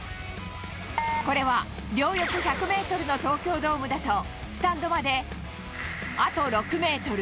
これは両翼１００メートルの東京ドームだと、スタンドまであと６メートル。